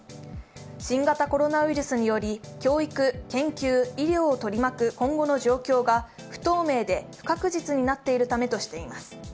新型コロナウイルスにより教育、研究、医療を取り巻く今後の状況が不透明で不確実になっているためとしています。